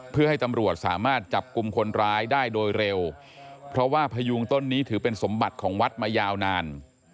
เพื่อให้ตำรวจสามารถจับกลุ่มคนร้ายได้โดยเร็วเพราะว่าพยุงต้นนี้ถือเป็นสมบัติของวัดมายาวนาน